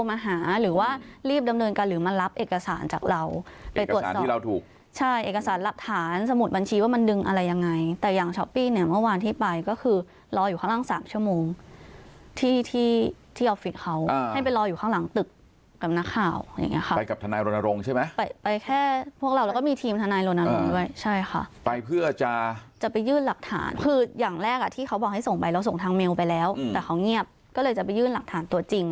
มาหาหรือว่ารีบดำเนินการหรือมารับเอกสารจากเราไปตรวจสอบเอกสารที่เราถูกใช่เอกสารหลักฐานสมุดบัญชีว่ามันดึงอะไรยังไงแต่อย่างช้อปปี้เนี่ยเมื่อวานที่ไปก็คือรออยู่ข้างล่าง๓ชั่วโมงที่ที่ที่ออฟฟิศเขาให้ไปรออยู่ข้างหลังตึกกับนักข่าวไปกับทนายโรนโรงใช่ไหมไปแค่พวกเราก็มีทีมทนายโรนโรง